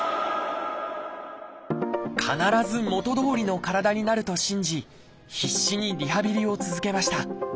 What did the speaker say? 必ず元どおりの体になると信じ必死にリハビリを続けました。